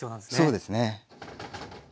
そうですね。